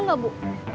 iya gak bu